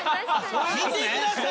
見てください。